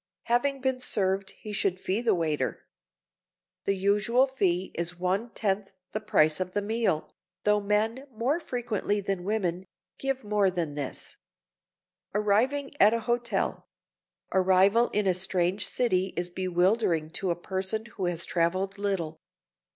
Having been served he should fee the waiter. The usual fee is one tenth the price of the meal, though men, more frequently than women, give more than this. [Sidenote: ARRIVING AT A HOTEL] Arrival in a strange city is bewildering to a person who has traveled little.